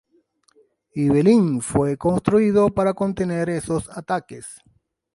Ibelín fue construido para contener esos ataques.